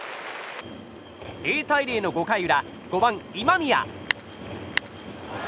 ０対０の５回裏５番、今宮。